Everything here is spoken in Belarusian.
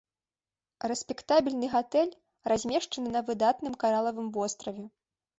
Рэспектабельны гатэль, размешчаны на выдатным каралавым востраве.